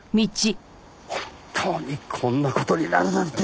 本当にこんな事になるなんて。